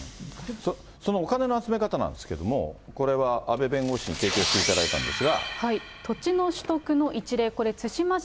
そのお金の集め方なんですけれども、これはあべ弁護士に提供していただいたんですが。